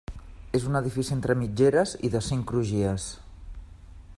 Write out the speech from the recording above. És un edifici entre mitgeres i de cinc crugies.